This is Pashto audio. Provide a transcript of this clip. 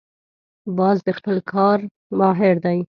باز د خپل کار ماهر دی